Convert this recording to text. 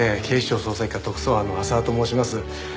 警視庁捜査一課特捜班の浅輪と申します。